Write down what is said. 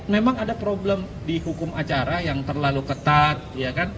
memang ada problem di hukum acara yang terlalu ketat ya kan